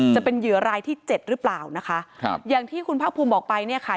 จะเป็นเหยื่อรายที่เจ็ดหรือเปล่านะคะครับอย่างที่คุณภาคภูมิบอกไปเนี่ยค่ะ